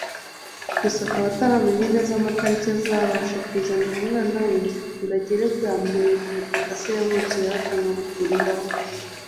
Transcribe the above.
gusa akaba ataramenya neza amatariki azabasha kuzanira umwana we ngo agere bwa mbere ku butaka se yavukiyeho akanabukuriraho